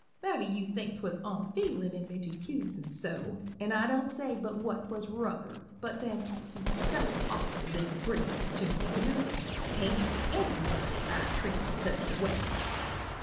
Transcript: Mabby you think 'twas onfeelin' in me to use him so an' I don't say but what 'twas ruther, but then he's so awful disagreeable tew me, you know 'tain't everybody I'd treat in such a way.